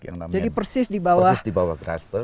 jadi persis di bawah grasberg